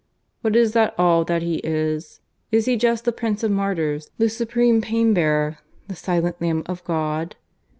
But is that all that He is? ... Is He just the Prince of Martyrs, the supreme Pain bearer, the silent Lamb of God?